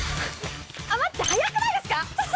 待って、速くないですか？